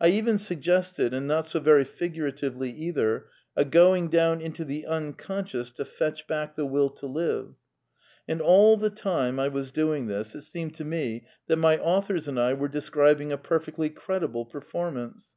I even suggested, and not so very figuratively either, a going down into the Unconscious to fetch back the Will to live. And all the time I was doing it, it seemed to me that my authors and I were describing a perfectly credible per formance.